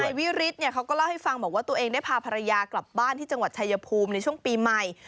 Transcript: วิฤทธิ์เนี่ยเขาก็เล่าให้ฟังบอกว่าตัวเองได้พาภรรยากลับบ้านที่จังหวัดชายภูมิในช่วงปีใหม่